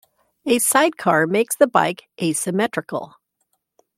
A sidecar makes the bike asymmetrical.